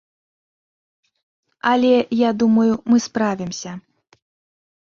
Але, я думаю, мы справімся.